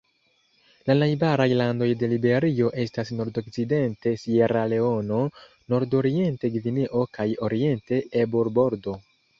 La najbaraj landoj de Liberio estas nordokcidente Sieraleono, nordoriente Gvineo kaj oriente Ebur-Bordo.